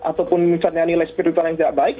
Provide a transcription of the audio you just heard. ataupun misalnya nilai spiritual yang tidak baik